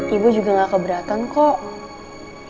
ibu juga gak keberatan kok